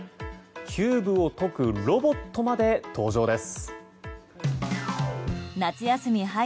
キューブを解くロボットまで登場です。